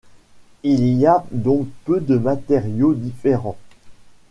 Il y a donc peu de matériaux différents.